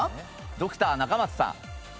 ドクター・中松さん。